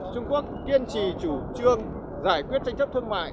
trung quốc kiên trì chủ trương giải quyết tranh chấp thương mại